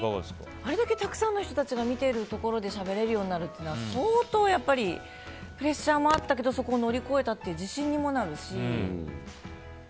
あれだけたくさんの人たちが見ているところでしゃべれるようになるって相当、プレッシャーもあったけどそこを乗り越えたっていう自信にもなるし。